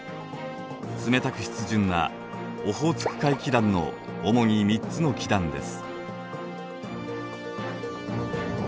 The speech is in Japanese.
冷たく湿潤なオホーツク海気団の主に３つの気団です。